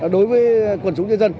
đối với quần chúng nhân dân